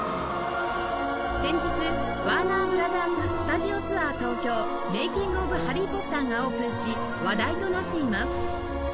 先日ワーナーブラザーススタジオツアー東京メイキング・オブ・ハリー・ポッターがオープンし話題となっています